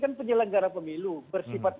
kan penyelenggara pemilu bersifat